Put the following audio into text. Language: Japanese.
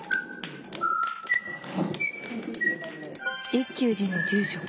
一休寺の住職